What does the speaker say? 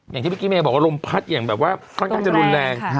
อย่างที่วิกี้เมธ์บอกว่าลมพลัดต้องการจะรุนแรง